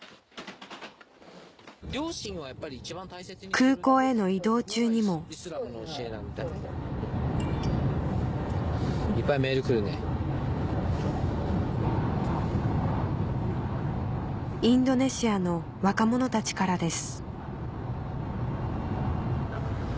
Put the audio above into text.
空港への移動中にもインドネシアの若者たちからです